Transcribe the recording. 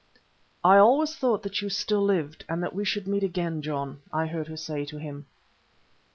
"I always thought that you still lived and that we should meet again, John," I heard her say to him.